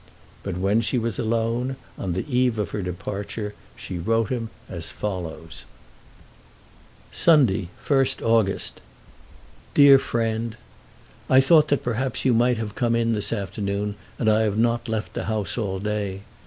But when she was alone, on the eve of her departure, she wrote to him as follows: Sunday, 1st August, . DEAR FRIEND, I thought that perhaps you might have come in this afternoon, and I have not left the house all day.